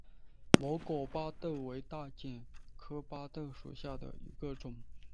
毛果巴豆为大戟科巴豆属下的一个种。